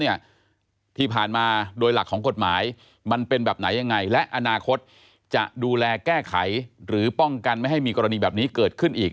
ยาท่าน้ำขาวไทยนครเพราะทุกการเดินทางของคุณจะมีแต่รอยยิ้ม